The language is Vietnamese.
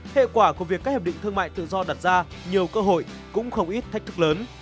hệ quả của việc các hiệp định thương mại tự do đặt ra nhiều cơ hội cũng không ít thách thức lớn